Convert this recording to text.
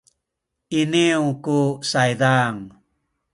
iniyu ku saydan